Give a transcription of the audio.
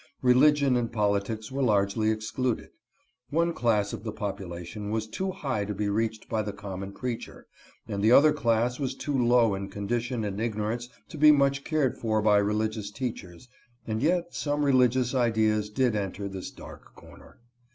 Religion and politics were largely excluded. One class of the popula tion was too high to be reached by the common preacher, and the other class was too low in condition and igno rance to be much cared for by Religious teachers, and yet some religious ideas did enter this dark corner.